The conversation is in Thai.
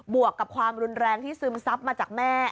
วกกับความรุนแรงที่ซึมซับมาจากแม่